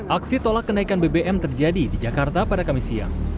aksi tolak kenaikan bbm terjadi di jakarta pada kamis siang